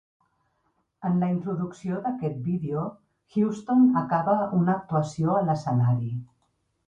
En la introducció d'aquest vídeo, Houston acaba una actuació a l'escenari.